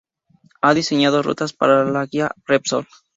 Ha diseñado rutas para la Guía Repsol.